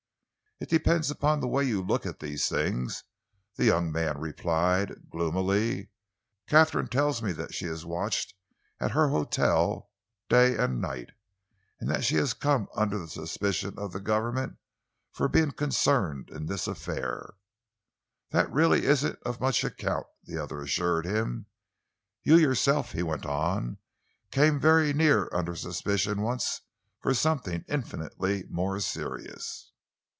"It depends upon the way you look at these things," the young man replied gloomily. "Katharine tells me that she is watched at her hotel day and night, and that she has come under the suspicion of the Government for being concerned in this affair." "That really isn't of much account," the other assured him. "You yourself," he went on, "came very nearly under suspicion once for something infinitely more serious."